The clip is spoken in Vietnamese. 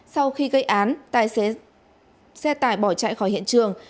sau khi gây án tài xế xe tải bỏ chạy khỏi hiện trường